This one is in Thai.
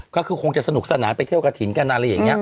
ก็คือคงจะสนุกสนานไปเที่ยวกระถิ่นกันอะไรอย่างนี้